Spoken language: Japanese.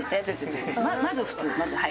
まず普通まずはい。